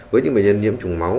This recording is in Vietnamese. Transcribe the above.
với những bệnh nhân nhiễm chủng máu